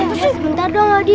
bentar dong adi